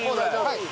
はい。